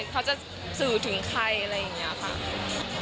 เขาจะสื่อถึงใครอะไรอย่างนี้ค่ะ